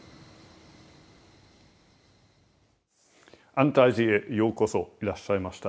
安泰寺へようこそいらっしゃいました。